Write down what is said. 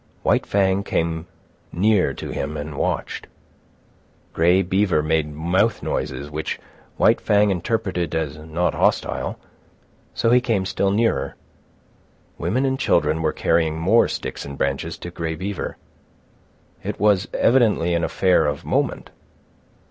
White Fang came near to him and watched. Grey Beaver made mouth noises which White Fang interpreted as not hostile, so he came still nearer. Women and children were carrying more sticks and branches to Grey Beaver. It was evidently an affair of moment.